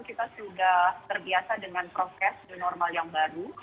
jadi sejak tahun lalu kita sudah terbiasa dengan proses normal yang baru